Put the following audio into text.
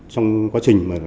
trong quá trình